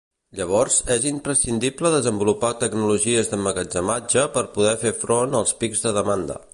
Llavors, és imprescindible desenvolupar tecnologies d'emmagatzematge per poder fer front als pics de demanda.